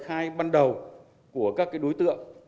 khai ban đầu của các đối tượng